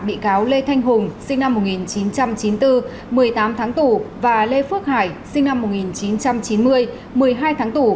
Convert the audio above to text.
bị cáo lê thanh hùng sinh năm một nghìn chín trăm chín mươi bốn một mươi tám tháng tù và lê phước hải sinh năm một nghìn chín trăm chín mươi một mươi hai tháng tù